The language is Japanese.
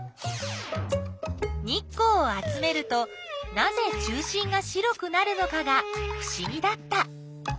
日光を集めるとなぜ中心が白くなるのかがふしぎだった。